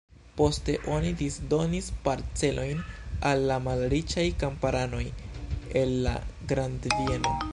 Poste oni disdonis parcelojn al la malriĉaj kamparanoj el la grandbieno.